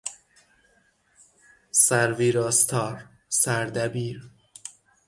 سر ویراستار، سردبیر